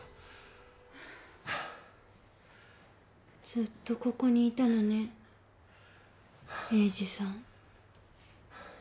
ずっとここにいたのね栄治さん。